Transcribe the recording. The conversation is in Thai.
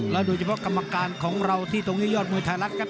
โดยเฉพาะกรรมการของเราที่ตรงนี้ยอดมวยไทยรัฐครับ